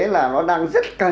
là nó đang diễn ra như thế này